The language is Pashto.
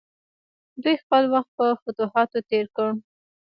دوی خپل وخت په فتوحاتو تیر کړ.